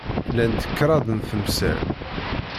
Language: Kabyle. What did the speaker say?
Llant kraḍ n temsal.